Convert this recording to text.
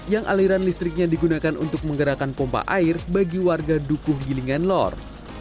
yang aliran listriknya digunakan untuk menggerakkan pompa air bagi warga dukuh gilingan lor